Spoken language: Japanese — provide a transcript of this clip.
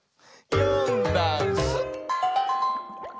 「よんだんす」